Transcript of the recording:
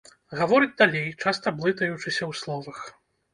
Гаворыць далей, часта блытаючыся ў словах.